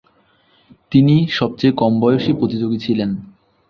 তিনি সবচেয়ে কম বয়সী প্রতিযোগী ছিলেন।